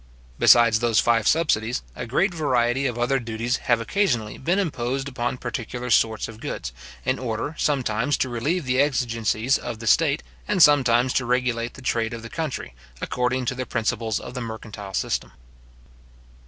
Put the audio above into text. Besides those five subsidies, a great variety of other duties have occasionally been imposed upon particular sorts of goods, in order sometimes to relieve the exigencies of the state, and sometimes to regulate the trade of the country, according to the principles of the mercantile system.